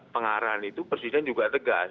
pengarahan itu presiden juga tegas